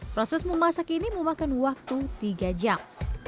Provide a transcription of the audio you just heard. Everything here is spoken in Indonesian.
proses memasak ini memakan waktu tiga jam